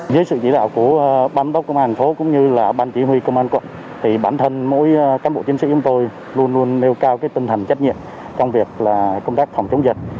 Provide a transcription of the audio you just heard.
nêu cao tinh thần trách nhiệm trong việc công tác phòng chống dịch